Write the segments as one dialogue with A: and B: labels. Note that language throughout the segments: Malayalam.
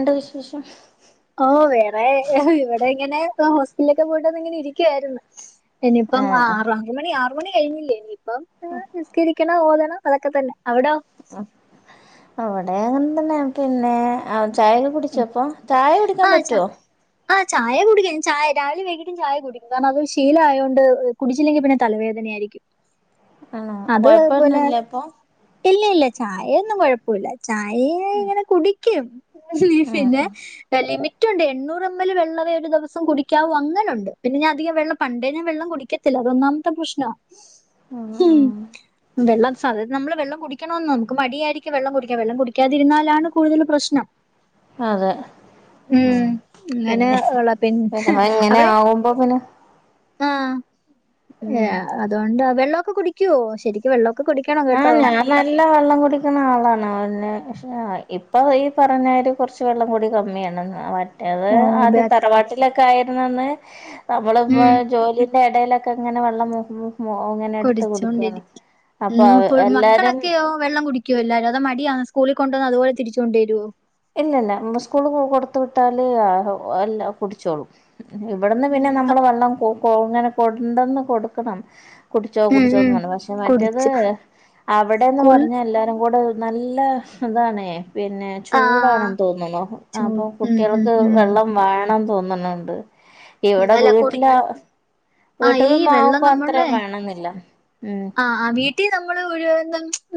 A: എന്റെ വിശേഷം.
B: ഓഹ് വേറെ ഇവിടെ ഇങ്ങനെ ഹോസ്പിറ്റലൊക്കെ പോയിട്ട് വന്നിങ്ങനെ ഇരിക്കുവാരുന്ന്. ഇനിപ്പം
A: ആഹ്
B: ആറ്, അഞ്ച് മണി, ആറ് മണി കഴിഞ്ഞില്ലേ ഇനിയിപ്പം നിസ്കരിക്കണം ഓതണം. അതൊക്കെ തന്നെ, അവ്ടൊ?
A: ആഹ് അവ്ടെ അങ്ങനെ തന്നെ പിന്നെ ചായ. കുടിച്ചോ ഇപ്പൊ ചായ കുടിക്കാൻ പറ്റോ?
B: ആഹ് ചായ കുടിക്കും ചായ രാവിലെ വൈകിട്ടും ചായ കുടിക്കും കാരണമത് ഒരു ശീലായോണ്ട് കുടിച്ചില്ലെങ്കി പിന്നെ തലവേദനയായിരിക്കും.
A: ആണോ
B: അത് പുന്നെ
A: കൊഴപ്പൊന്നുല്ല ഇപ്പൊ
B: ഇല്ല ഇല്ല ചായയൊന്നും കൊഴപ്പുല്ല ചായെ
A: ഉം.
B: കുടിക്കും പിന്നെ. ലിമിറ്റുണ്ട് എണ്ണൂറമ്മല് വെള്ളവേ ഒരു ദെവസം കുടിക്കാവു അങ്ങനുണ്ട് പിന്നെ ഞാന് അധികം വെള്ളം പണ്ടേ ഞാന് വെള്ളം കുടിക്ക് തില്ല അതൊന്നാമത്തെ പ്രശ്നാ.
A: ഉം ഉം.
B: വെള്ളം സാധയിത് നമ്മള് വെള്ളം കുടിക്കണം നമക്ക് മടിയായിരിക്കും വെള്ളം കുടിക്കാൻ വെള്ളം കുടിക്കാതിരുന്നാലാണ് കൂടുതൽ പ്രശ്നം.
A: അതെ
B: ഉം
A: ആഹ്
B: അങ്ങനെ
A: പിന്നെ
B: ഉള്ള പിന്നെ
A: ഞാന് ഇങ്ങനെ
B: അവിടെ
A: ആവുമ്പോ പിന്നെ.
B: ആഹ്
A: ഉം
B: ഏഹ് അതോണ്ടാ വെള്ളൊക്കെ കുടിക്കോ ശരിക്കു വെള്ളൊക്കെ കുടിക്ക ക്കണം
A: ആഹ്
B: കേട്ടോ.
A: ഞാൻ നല്ല വെള്ളം കുടിക്ക്ണ ആളാണോ പക്ഷെ ഇപ്പൊ ഈ പറഞ്ഞരു. കൊറച്ച് വെള്ളം കുടി കമ്മിയാണെന്ന. എത്
B: ഓ ബേ
A: ആദ്യം തറവാട്ടിലൊക്കെ ആയിര്ന്നന്ന് നമ്മളിപ്പോ
B: ഉം
A: ജോലി. ലെടെലൊക്കെ ഇങ്ങനെ വെള്ളം ഉം ഉം അങ്ങനെ എടുത്ത് കുടിക്കാണ്.
B: കുടിച്ചോണ്ടിരി
A: അപ്പൊ അവ എല്ലാരും.
B: അപ്പോ വെള്ളം കുടിക്കോ എല്ലാരും അതോ മടിയാണോ സ്കൂളിൽ കൊണ്ടോന്ന അതുപോലെ തിരിച്ച് കൊണ്ടെരോ?
A: ഇല്ലല്ല ന്ന സ്കൂള് കൊടുത്തു വിട്ടാല് അല്ല കുടിച്ചോളും. ഇവിടുന്ന്
B: ഉം
A: പിന്നെ
B: ക
A: നമ്മള് വെള്ളം കൊ കൊ ഇങ്ങനെ കൊണ്ടന്ന് കൊട്ക്കണം. കുടിച്ചോ
B: ഉം ഉം
A: കുടിച്ചോന്ന്പറഞ്ഞ് പക്ഷെ മറ്റേത്
B: കുടിച്ച്
A: അവിടെന്ന്
B: സ്കൂൾ
A: പറഞ്ഞാ എല്ലാരും കൂടെ ഉ നല്ല ഇതാണെ പിന്നെ. ചൂടാണ്
B: ആഹ്
A: തോന്നുണു അപ്പൊ
B: ചൂട് ഉം
A: കുട്ട്യ
B: ഉം
A: ൾക്ക്
B: ഉം
A: വെള്ളം വേണം തോന്ന്ണ്ണ്ണ്ട്.
B: ഉം
A: ഇവിടെ
B: അല്ല കുടി
A: വീട്ടില
B: ആഹ് ഈ വെള്ളം
A: വീട്ടിലൊന്നാവുമ്പോ അത്ര വേണെന്നില്ല ഉം.
B: ആ വീട്ടി നമ്മള് രു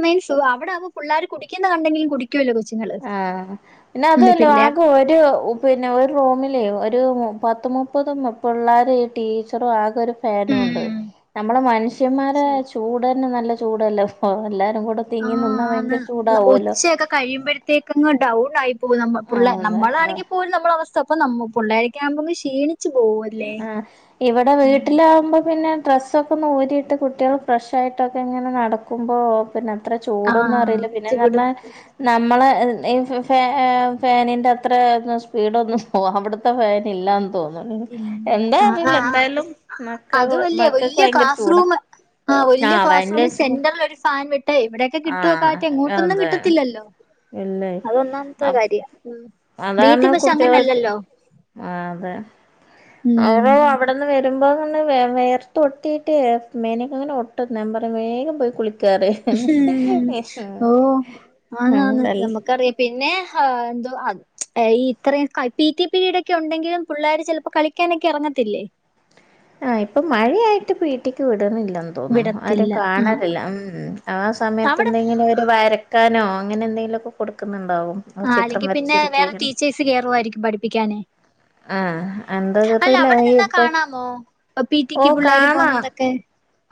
B: മീൻസ് അവ്ടെവുമ്പോ പുള്ളേർ കുടിക്ക്ണ കണ്ടെങ്കിലും കുടിക്കുവല്ലോ കൊച്ച്.
A: ആഹ് ന്ന അതുഅല്ല ആകെ ഒരു ഉ പിന്നെ ഒരു റൂമിലേ ഒരു പത്ത് മുപ്പത് പിള്ളേരും ടീച്ചറും ആകെ ഒരു
B: ഉം
A: ഫേനുണ്ട് നമ്മുടെ മനുഷ്യന്മാരെ
B: ശരി
A: ചൂട് തന്നെ നല്ല ചൂടല്ലെ ഇപ്പം എല്ലാരും കൂടെ തിങ്ങി നിന്നാ ഭയങ്കര ചൂടാവല്ലോ
B: കഴിയുമ്പോയ്ത്തേക്കങ്ങ് ഡൗൺ ആയി പോവും നമ്മ പുള്ള
A: ആഹ് അതെ ആഹ്
B: നമ്മളാണെങ്കി പോലും നമ്മളവസ്ഥ പ്പ നമ്മ പ്പുള്ളേരൊക്കെ ആവുമ്പോ പിന്നെ ക്ഷീണി ച്ച് [unintelligible]
A: ആഹ് ഇവിടെ വീട്ടിലാകുമ്പോ പിന്നെ ഡ്രസ്സൊക്കൊന്ന് ഊരിയിട്ട് കുട്ടികള് ഫ്രഷായിട്ടൊക്കെ ഇങ്ങനെ നടക്കുമ്പോ പിന്നത്ര ചൂടൊന്നും
B: ആഹ്
A: അറിയില്ല
B: ചുവടും
A: പിന്നന്ന്റഞ്ഞാ നമ്മളെ ഈ ഫ ഫാനിന്റെ അത്ര ഒന്നും സ്പീഡ് ഒന്നും അവിടു ത്തെ ഫാനില്ലന്ന്തോന്നുണു
B: ഇല്ല
A: എന്താ
B: ആഹ്
A: അറിയില്ല
B: ആഹ്
A: എന്തായാലും മക്കൾ
B: അതുവല്ലേ
A: മക്കക്ക്
B: വല്യ
A: ഭയങ്കര
B: ക്ലാസ്
A: ചൂടാ
B: റൂം ആഹ് വല്യ ക്ലാസ് റൂമി സെന്ററി ലൊരു ഫാൻ വിട്ടേ ഇവിടെയൊക്കെ കിട്ടുവക്കാറ്റ്
A: ആഹ്
B: എങ്ങോട്ടൊന്നും
A: അതെ
B: കിട്ടത്തില്ലല്ലോ
A: ഇല്ലേ
B: അതൊന്നാമത്തെ കാര്യം ഉം
A: അതാണ്
B: വീട്ടിൽ പക്ഷെ
A: കുട്ടികളെ [unintelligible]
B: അങ്ങനല്ലല്ലോ
A: ആ അതെ അവ
B: ഉം.
A: അവിടെന്ന് വരു വരുമ്പോന്നറിഞ്ഞ വെയ വെയർത്ത് ഒട്ടിയിട്ട് മേനിഒക്കെങ്ങനെ ഒട്ടും ഞാൻ പറയും വേഗം പോയി കുളിക്കറിം.
B: ഓ ആന്നാന്ന് നമുക്കറിയാം. പിന്നെ ഹാ എന്തോ അയ് ഇത്രയും പി ടി പിരീടൊക്കെ ഉണ്ടെങ്കിലും പിള്ളേര് ചിലപ്പോ കളിക്കാനൊക്കെ ഇറങ്ങത്തില്ലേ
A: ആ ഇപ്പം മഴയായിട്ട് പീട്ടിക്ക് വി ടിണില്ലന്ന് തോന്നുണു ആരും
B: വിടത്തില്ല. ആഹ്.
A: കാണലില്ല മ്മ് മ്മ് ആ സമയത്ത്
B: അവിടെ
A: എന്തെങ്കിലുഅവര് വര ക്കാനോ അങ്ങനെ എന്തെങ്കിലുമൊക്കെ കൊടുക്കുന്നുണ്ടാവും
B: ആ
A: ചിത്രം
B: അല്ലെങ്കി പിന്നെ
A: വരച്ചിരിക്കെ
B: വേറെ
A: അങ്ങനെ
B: ടീച്ചേഴ്സ് കേറുവായിരിക്കും പഠിപ്പിക്കാനെ
A: ആഹ [unintelligible] ഇപ്പൊ
B: കാണാമോ? പി
A: ഓ
B: ടിക്ക് പിള്ളേര്
A: കാണാം
B: പോവുന്നതൊക്കെ?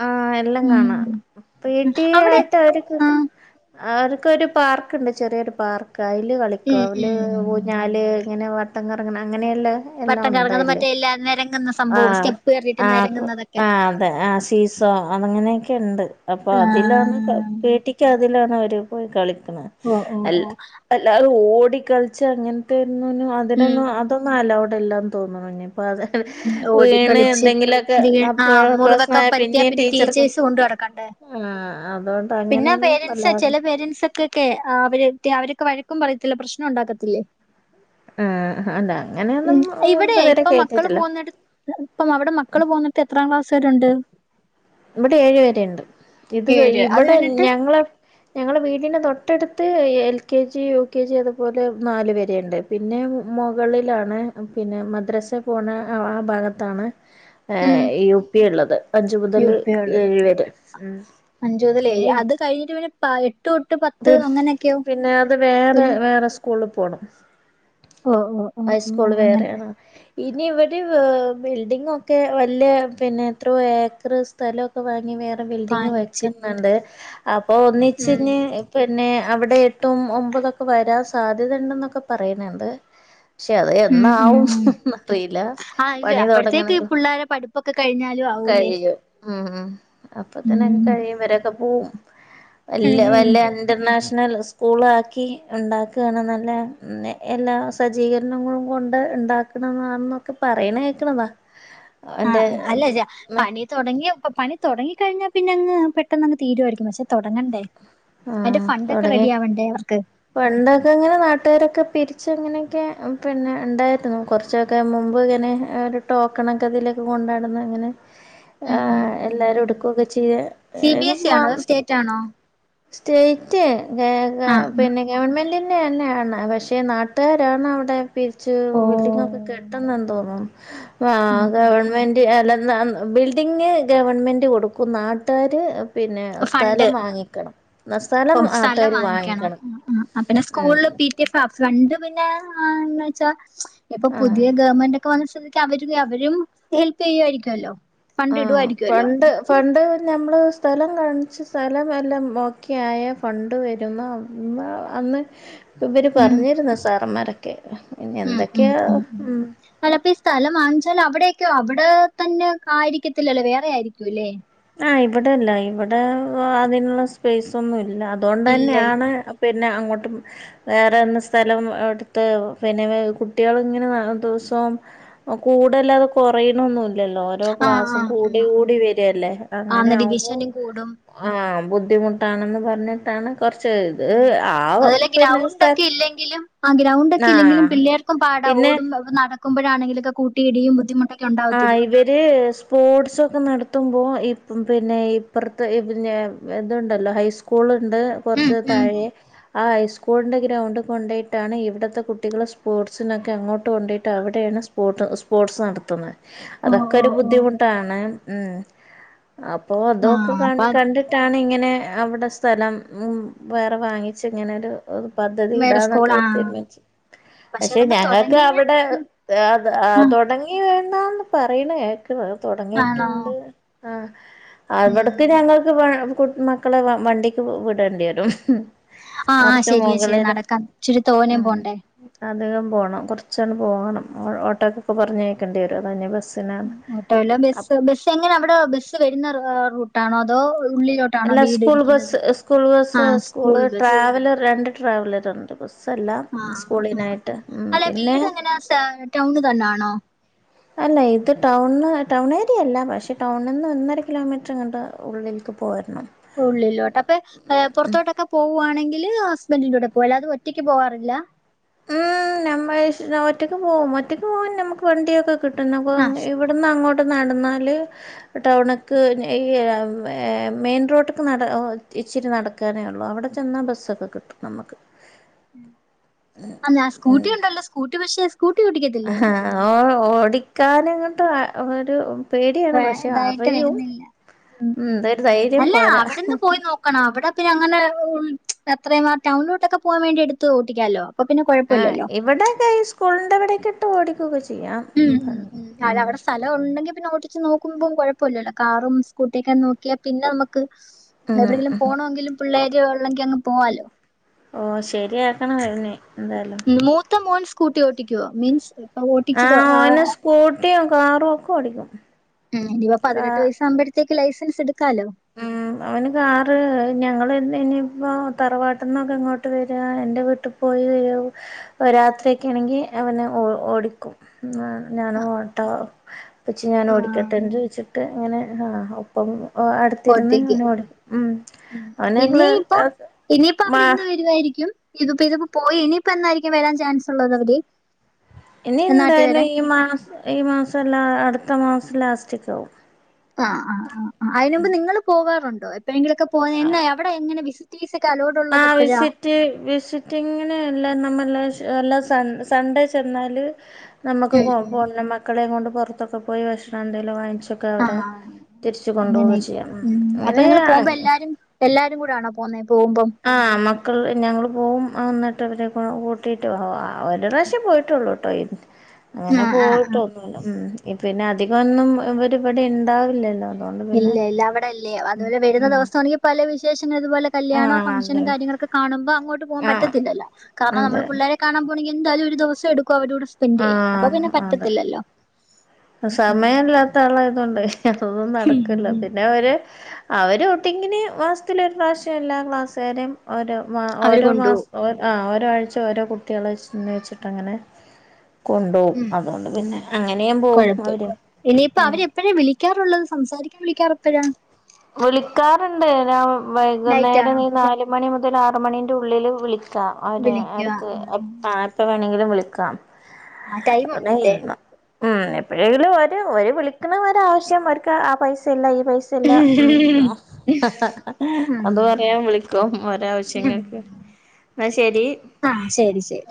A: ആഹ് എല്ലം കാണാം
B: ഉം.
A: പീട്ടി
B: അവിടെ
A: ആയിട്ട് അവരിക്ക്
B: ആഹ്.
A: അവർക്കൊരു പാർക്ക്ണ്ട് ചെറിയൊരു പാർക്ക് അയ്ല് കളിക്കും
B: ഉം
A: അവല്
B: ഉം.
A: ഒ ഞാല് ഇങ്ങനെ വട്ടം കറങ്ങണ അങ്ങനെയിള്ള എല്ലാം
B: വട്ടം കറങ്ങുന്ന
A: ഉണ്ടായില്
B: മറ്റേ എല്ലാ നെരങ്ങുന്ന സംഭവം
A: ആഹ്
B: സ്റ്റെപ്പ് കേറിയിട്ട്
A: ആഹ്
B: നെരങ്ങുന്നതൊക്കെ.
A: ആഹ് അതെ ആ ശ സൊ അതങ്ങനെയൊക്കെ ഉണ്ട് അപ്പൊ അതിലാ
B: ആഹ്.
A: പീട്ടിക്ക് അതിലാണ് അവര് പോയി കളിക്ക്ണെ
B: ഓഹ് ഓഹ് ഓഹ്
A: അല്ലാതെ ഓടിക്കളിച്ച് അങ്ങനത്തെന്നിനും അതിനൊന്നും അതൊന്നും
B: ഉം.
A: അലൗഡ് അല്ലാന്ന് തോന്നുണു. അതെ വീണ്
B: ഓടിക്കളിച്ച്
A: എന്തെങ്കിലുക്കെ
B: വീ ആ
A: അപ്പം
B: മുറിവൊക്കെ പറ്റിയാ
A: പിന്നേം
B: പിന്നെ
A: ടീച്ചർക്കും
B: ടീച്ചേഴ്സ് കൊണ്ട് നടക്കണ്ടേ
A: ആഹ് അതോണ്ട് അങ്ങനെയൊന്നും വല്ലാതെ
B: ക്കെ ക്കെ അവര് അവരൊക്കെ വഴക്കും പറയത്തില്ല പ്രശ്നം ഉണ്ടാക്കത്തില്ലേ?
A: ആഹ് അല്ല അങ്ങനെയൊന്നും ഇതുവരെ കേട്ടിട്ടില്ല
B: ന്നിട്ട് അവിടെ മക്കള് പോന്നിട്ട് എത്രാം ക്ലാസ്സുകാരുണ്ട്
A: ഇവിടെ ഏഴു വരെയുണ്ട് ഇത് കഴി
B: ഏഴ് അത്
A: ഇവിടെ
B: കഴിഞ്ഞിട്ട്
A: ഞങ്ങളെ ഞങ്ങളെ വീടിന് തൊട്ടടുത്ത് L K G U K G അതുപോലെ നാല് വരെയുണ്ട് പിന്നെ മൊകളിലാണ് പിന്നെ മദ്രാസേ പോണെ ആ ഭാഗത്താണ്
B: ഉം
A: ഏയ് യു പി ഉള്ളത് അഞ്ചു
B: യു
A: മുതല്
B: പി ഉള്ളത്
A: ഏഴ്‌വരെ ഉം ഇനി
B: [unintelligible] തോട്ട് പത്
A: ത് പിന്നെ അത് വേറെ വേറെ സ് കൂള് പോണം
B: ഓ ഓ ഓ ഓ
A: ഹൈസ്കൂള്
B: അങ്ങനെ
A: വേറെയാണ് ഇനി ഇവിടെ ബിൽഡിംഗൊക്കെ വലിയ പിന്നെ എത്രയോ ഏക്കറ് സ്ഥലോക്കെ വാങ്ങി വേറെ ബിൽഡിങ്
B: വാങ്ങിച്ച്
A: വെക്കുന്നുണ്ട് അപ്പോ
B: ഉം
A: ഒന്നിച്ചെഞ്ഞേ പിന്നെ അവിടെ എട്ടും ഒമ്പതൊക്കെ വരാൻ സാധ്യത ഇണ്ടെന്നൊക്കെ പറയണ് ണ്ട് പഷേ അത്
B: ഉം ഉം ഉം
A: എന്നാവുംന്ന് അറിയില്ല
B: ഇല്ല
A: പണി
B: അപ്പഴത്തേക്ക്
A: തൊടങ്ങ്ണെള്ളൂ.
B: പിള്ളേരെ പ്പൊക്കെഴ്ഞ്ഞാലും ആ ആവൂലേ
A: കഴിയും ഉം അപ്പ തന്നെക്കെ
B: ഉം
A: കഴിയും വരൊക്കെ പോവും.
B: ഉം
A: അല്ല
B: ഉം
A: വല്ലൻ ഇന്റർനാഷണൽ സ്കൂളാക്കി ഇണ്ടാക്ക്‌ണ്നല്ലേ എല്ലാ സ് സജ്ജീകരണങ്ങളും കൊണ്ട് ണ്ടാക്ക്‌ണതാ എന്നാന്നൊക്കെ പറയ്ണ കേക്ക്‌ണതാ
B: ആ അല്ലജ പണി തുടങ്ങിയപ്പൊ പണി തൊടങ്ങി കഴ്ഞ്ഞാൽ പിന്നെ അങ്ങ് പെട്ടെന്ന്ങ്ങ് തീരുവാരിക്കും പഷേ തൊടങ്ങണ്ടേ.
A: ആഹ് തൊടങ്ങി. പണ്ടൊക്കെ ങ്ങനെ നാട്ടുകാരൊക്കെ പിരിച്ച് ങ്ങനെയൊക്കെ പിന്നെ ണ്ടാര്ന്നു കൊറ ച്ചൊക്കെ മുമ്പ് ങ്ങനെ ഒര് ടോക്കണൊക്കെ അതിലൊക്കെ കൊണ്ട്നടന്ന് ങ്ങനെ
B: ഉം ഉം
A: ആഹ് എല്ലാരും
B: ഉം
A: എട്ക്കക്കൊ ചെയ്ത വേഗം വാ.
B: റ്റാണോ?
A: സ്റ്റേയ്റ്റ് ഗ ഗ
B: ആഹ് ആഹ്
A: പിന്നെ ഗവൺമെന്റെ ന്നെ അല്ല [unintelligible] പഷേ നാട്ടുകാരാണ് അവ്ടെ പിരിച്ച്
B: ഓ
A: ബിൽഡിങ്ങ്ക്കെ കെട്ട്ന്നെ എന്ത് തോന്നും. ആഹ്
B: ഉം ഉം
A: ഗവൺമെന്റ് അല്ല ന [unintelligible] ബിൽ ട്ടിങ്ങ് ഗവൺമെന്റ് കൊടുക്കും നാട്ടുകാര് പിന്നെ സ്ഥലം വാങ്ങിക്കണം.
B: ഓഹ് സ്ഥലം വാങ്ങിക്കണം ആപ്പ്‌ന്നെ
A: ഉം
B: സ്കൂളില് പി [unintelligible] ഫണ്ട് പിന്നെന്ന്ച്ചാ ഇപ്പൊ
A: ആ
B: പുതിയ ഗവൺമെന്റ് ഇപ്പ വന്ന സ്തിക്ക്‌ അവര് അവരും ഹെൽപ് ചെയ്യുവാരിക്കുവല്ലോ?
A: ആഹ് ഫണ്ട് ഫണ്ട് ഞമ്മള് സ്ഥലം കാണിച്ച് സ്ഥലം എല്ലാം ഓക്കെയായ ഫണ്ട് വരുന്നാന്നെ [unintelligible] അന്ന് ഇവര്
B: ഉം
A: പറഞ്ഞിര്ന്നു സാറ്മാരൊക്കെ ഇനി എന്തൊക്കെയാ ഉം.
B: അല്ലപ്പ ഈ സ്ഥലം വാങ്ങിച്ചാവല് അവ്ടെയക്കെയ അവ്ടെ തന്നെ ആയിരിക്കത്തില്ലല്ലോ വേറെ ആയിരിക്കുല്ലേ?
A: ആഹ് ഇവ്ടെല്ല ഇവ്ടെ അതിനൊള്ള സ്പേസ്ഒന്നും ഇല്ല
B: ഇല്ല ഇല്ല
A: അതുകൊണ്ട്ന്നെയാണ് പിന്നെ അങ്ങോട്ടും വേറെന്ത സ്ഥലം അവ്ട്ത്തെ പിന്നെ കുട്ടികൾ ഇങ്ങനെ ദിവസോം ഓ കൂട്ല്ലാതെ കൊറയ്ണൊന്നുല്ല. ഇല്ലല്ലോ ഓരോ
B: ആഹ്
A: ക്ലാസ്സും
B: ആഹ്
A: കൂടി
B: ആഹ് ആഹ്
A: കൂടി വരുല്ലേ അങ്ങനെ
B: ആന്ന്
A: ആവ്മ്പോ?
B: ഡിവിഷനും കൂടും
A: ആഹ് ബുദ്ധിമുട്ടാണെന്ന് പറഞ്ട്ടാണ്
B: അതല്ല
A: സ്ഥ
B: ഗ്രൗണ്ടൊക്കെ ഇല്ലെങ്കിലും ആ ഗ്രൗണ്ടൊക്കെ ഇല്ലെങ്കിലും
A: ആഹ്
B: പിള്ളേർ ക്കും പാടാ
A: പിന്നെ
B: ഓടും നടക്ക്മ്പഴാണെങ്കിലൊക്കെ കൂട്ടിയിടിയും ബുദ്ധിമുട്ടൊക്കെ ഒണ്ടാവത്തില്ലേ?
A: ഇദ് സ്പോർസൊക്കെ നടത്തുമ്പോ ഇപ്പം പിന്നെ ഇപ്പറത്ത് പിന്നെ ഇദ്ണ്ടല്ലോ ഹൈസ് കൂളൊണ്ട്
B: ഉം
A: കൊറച്ച്
B: ഉം
A: താഴെ ആഹ് ഹൈസ്കൂളിൻ്റെ ഗ്രൗണ്ടി കൊണ്ടൊയ്ട്ടാണ് ഇവ്ട്ത്തെ കുട്ടികള് സ്പോർട്സിനൊക്കെ അങ്ങോട്ട് കൊണ്ടോയിട്ട് അവ്ടെയാണ് പോട്ട് സ്പോർട്സ് നടത്ത്ന്നെ.
B: ഓ
A: അതൊക്കെ ഒര്
B: ഓ ഓ
A: ബുദ്ധിമുട്ടാണ് ഉം അപ്പൊ അതൊ ക്കെ
B: ആഹ്
A: കണ്ണി
B: അപ്പൊ
A: കണ്ടിട്ട് ട്ടാണ് ഇങ്ങനെ അവ്ടെ സ്ഥലം മു വേറെ വാങ്ങിച്ച് ഇങ്ങനെരു പദ്ധതി
B: വേറെ സ്കൂൾ
A: ഇടാന്നൊക്കെ ഇവര്
B: ആഹ്
A: തീരുമാനിച്ചേ
B: പക്ഷെ
A: പഷേ
B: അതങ്ങ്
A: ഞങ്ങൾക്ക്
B: തുടങ്ങിയ
A: അവ്ടെ ദ് അദ്
B: ആ,
A: ആഹ് തൊടങ്ങിന്നാന്ന് പറയ്ന്നെ കേക്ക്‌ന്നെ
B: ആണോ
A: തൊടങ്ങിട്ട്ണ്ട് ആഹ് അവ്ടെക്കു
B: ഉം
A: ഞങ്ങൾക്ക് ക്കെവാണം കു മ ക്കളെ വ വണ്ടിക്ക് വിട്ണ്ടി വരും.
B: ആഹ് ആഹ്
A: കുറച്ച്
B: ശെരിയാ ശെരി
A: മുകളില്
B: നടക്കാം ഇച്ചിരി തോനേ
A: ഉം
B: പോണ്ടേ?
A: അധികം പോണം കൊറച്ചണ് പോകണം ഓട്ടോക്കൊക്കെ പറഞ്ഞ്യ്ക്കേണ്ടിവരും അത്കഴ്‌ഞാ ബസ്സിന്
B: ടോയില ബസ്സ് ബസ് എങ്ങനെ അവ്ടെ ബസ്സ് വരുന്ന റൂട്ടാണോ അതോ ഉള്ളിലോ
A: അല്ല school bus school bus
B: school
A: school
B: bus
A: traveller രണ്ട് ട്രാവലർ ഉണ്ട് ബസ് തല്ല
B: ആ
A: സ്കൂളിനായിട്ട് പിന്നെ
B: [unintelligible] ടൗൺ തന്നാണോ?
A: അല്ല ഇത് ടൗൺ ടൗൺ ഏരിയയല്ല പക്ഷേ ടൗണിൽ നിന്ന് ഒന്നര കിലോമീറ്റർങ്ങണ്ട് ഉള്ളിൽക്ക് പോരണം.
B: ഉള്ളിലോട്ടൊക്കെ പുറത്തോട്ടൊക്കെ പോവുവാണെങ്കിൽ ഹസ്ബൻഡിന്റെ കൂടെ പോവ അല്ലാതെ ഒറ്റയ്ക്ക് പോവാറില്ല?
A: ഉം നമ്മ ഒറ്റക്ക് പോകും ഒറ്റക്ക് പോവാൻ നമുക്ക് വണ്ടിയൊക്കെ കിട്ടും
B: ആ ഷ്.
A: ഇവിടുന്ന് അങ്ങോട്ട് നടന്നാല് ടൗണക്ക് ഈ മെയിൻ റോഡക്കെ നട ഇച്ചിരി നടക്കു ക്കാനേ ഉള്ളൂ അവിടെ ചെന്നാൽ ബസ്സൊക്കെ കിട്ടും നമുക്ക്
B: ആ ഞാ സ്കൂട്ടി ഉണ്ടല്ലോ സ്കൂട്ടി പക്ഷെ സ്കൂട്ടി ഓടിക്കത്തില്ലേ?
A: ഓ ഓടിക്കാന ഇങ്ങോട്ട് ഒരു പേടിയാണ്
B: വേ-
A: പക്ഷെ
B: ഇതായിട്ട്
A: അറിയും
B: വരുന്നില്ല ഉം, ഉം.
A: എന്ത ഒരു ധൈര്യം
B: അല്ല
A: പോരാ
B: അവിടെ നിന്ന് പോയി അവിടെ പിന്നെ അങ്ങനെ അത്രയും ആ ടൗണിലോട്ടൊക്കെ പോകാൻ വേണ്ടി എടുത്ത് ഓട്ടിക്കാല്ലോ.
A: ആഹ് ഇവിടെയക്ക ഈ സ്കൂളിന്റെവിടെക്ക ഇട്ട് ഓടികൊക്കെ ചെയ്യും
B: ഉം അതവിടെ സ്ഥലം ഉണ്ടെങ്കിൽ പിന്നെ ഓട്ടിച്ച് നോക്കുമ്പോ കുഴപ്പമല്ലല്ലോ കാറും സ്കൂട്ടിയ ഒക്കെ നോക്കിയാൽ പിന്നെ നമുക്ക്
A: ഉം
B: എവിടെങ്കിലും
A: ഉം
B: പോണമെങ്കിലും പിള്ളേരു ഉള്ളെങ്ക അങ് പോവാലോ.
A: ഓ ശരിയാക്കണം എങ്ങേനെലും എന്തായാലും
B: ഉം മൂത്ത മോൻ സ്കൂട്ടി ഓട്ടിക്കുവോ മീൻസ് ഇപ്പൊ ഓട്ടി
A: ആഹ് ഓന് സ്കൂട്ടിയും കാറും ഒക്കെ ഓടിക്കും.
B: ഉം ഇനി ഇപ്പ
A: കാ
B: പതിനെട്ട് വയസ്സ് ആകുമ്പോഴത്തേക്ക് ലൈസൻസ് എടുക്കാലോ.
A: ഉം. അവന് കാറ് ഞങ്ങൾ ഇനിയിപ്പോൾ തറവാട്ടിൽ നിന്നൊക്കെ ഇങ്ങോട്ട് വരിക എൻ്റെ വീട്ട പോയി വരും രാത്രിയൊക്കെ ആണെങ്കിൽ അവനെ ഓടിക്കും. ഞാൻ
B: ആഹ്
A: ഓട്ട വച്ച് ഞാൻ
B: ആഹ്
A: ഓടിക്കട്ടെ എന്ന് ചോദിച്ചിട്ട് അങ്ങനെ ആഹ് ഒപ്പം അടു
B: ഓട്ടിക്കും. ഉം
A: [unintelligible]
B: ഇവായിരിക്കും. ഇതിപ്പോ ഇതിപ്പോ പോയി ഇനിയിപ്പോ എന്നായിരിക്കും വരാൻ ചാൻസ് ഉള്ളത് അവര്?
A: ഇനി
B: നാട്ടി വരാൻ?
A: എന്തായാലും ഈ മാസം ഈ മാസല്ല അടുത്ത മാസം ലാസ്റ്റക്ക് ആവും.
B: ആഹ് ആഹ് ആഹ് ആഹ് അതിന് മുമ്പ് നിങ്ങൾ പോവാറുണ്ടോ എപ്പോഴെങ്കിലൊക്കെ പോ എന്ന എവിടെ എങ്ങനെ വി വിസിക്ക അലോട് ഉള്ളത്
A: ആഹ്
B: എപ്പോഴാ?
A: വിസിറ്റ് വിസിറ്റിങ്ങിന് എല്ലാ നമ്മെല്ല എല്ലാം സൺ സൺഡേ ചെന്നാൽ നമുക്ക്
B: ഉം, ഉം.
A: പൊണ് മക്കളെയ കൊണ്ട് പുറത്തൊക്കെ പോയി ഭക്ഷണം എന്തെങ്കിലും വാങ്ങിച്ച്
B: ആഹ് അങ്ങനെയൊക്കെ ഉം അപ്പൊ നിങ്ങള് പോകുമ്പോ എല്ലാരും എല്ലാരും കൂടെയാണ് പോകുന്നത് പോകുമ്പം?
A: ആ മക്കൾ ഞങ്ങൾ പോവും അന്നട്ട് അവരെ കൂട്ടിയിട്ട് അവ ഒരു പ്രാവശ്യേ പോയിട്ടുള്ളൂ ട്ടോ
B: ആ,
A: അങ്ങനെ
B: ആ, ആ.
A: പോയിട്ടോന്നുല്ല ഉം പിന്നെ അധികം ഒന്നും ഇവര് വിടെ ഇണ്ടാവില്ലല്ലോ.
B: ഇല്ല ഇല്ല അവട അല്ലേ അതുപോലെ വരുന്ന
A: ഉം
B: ദിവസമാണെങ്കി പല വിശേഷങ്ങൾ ഇതുപോലെ കല്യാണോ
A: ആഹ് അതെ
B: ഫംഗ്ഷനും കാര്യങ്ങളൊക്കെ കാണുമ്പോ അങ്ങോട്ട് പോവാൻ
A: ആഹ്
B: പറ്റത്തില്ലല്ലോ കാരണം നമ്മള്
A: അതെ
B: പിള്ളേരെ കാണാൻ പോണെങ്കി എന്തായാലും ഒരു ദിവസം എടുക്കും അവര്ടെ കൂടെ [unintelligible] അപ്പൊ
A: ആഹ്
B: പിന്നെ
A: അതെ
B: പറ്റത്തില്ലല്ലോ ഉം.
A: മൂത്താളായതു കൊണ്ട് അതൊന്നും നടക്ക്‌ല്ല
B: ഉം.
A: പിന്നെ ഒര് അവര് ഔട്ടിങ്ങിന് മാസ്ത്തിലൊരു പ്രാവശ്യം എല്ലാ ക്ലാസ്സുകാരെയും ഓരോ മാ
B: അവര്
A: ഓരോ
B: കൊണ്ടുപോകും
A: മാസ ആഹ് ഓരൊ ആഴ്ച ഓരോ കുട്ടികളെ [unintelligible] വെച്ചിട്ട് അങ്ങനെ കൊണ്ടോവും
B: ഉം
A: അതുകൊണ്ട്
B: ഉം
A: പിന്നെ അങ്ങനെയും പോവും അവര് ഉം
B: എപ്പഴേ വിളിക്കാറുള്ളത് സംസാരിക്കാൻ വിളിക്കാറ് എപ്പഴാ
A: വിളിക്കാറ്ണ്ട് ഞാൻ വൈകുന്നേരം
B: നൈറ്റാണോ
A: നാല് മണി മുതൽ ആറ് മണിന്റെ ഉള്ളില് വിളി ക്ക അവര്
B: വിളിക്കുക
A: എടക്ക്
B: ആഹ്
A: ആർക്ക് വേണെങ്കിലും വിളിക്കാം
B: ആ ടൈം
A: നാ
B: ഉണ്ടല്ലേ
A: ഇന്ന് ഉം എപ്പോഴെങ്കിലും ഒര് ഒരു വിളിക്കുന്ന ഒരാവശ്യം അവര്ക്ക് ആ പൈസ ഇല്ല ഈ പൈസ ഇല്ല ഉം
B: ആഹ് അങ്ങനെ
A: അത്പറയാൻ വിളിക്കൊ ഒരാവശ്യങ്ങൾക്ക് ന്ന ശെരി
B: ആഹ് ശെരി ശെരി